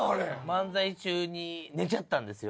漫才中に寝ちゃったんですよ。